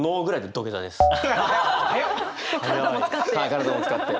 体も使って？